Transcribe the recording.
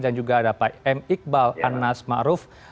dan juga ada pak m iqbal anas ma'ruf